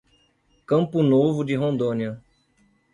Campo Novo de Rondônia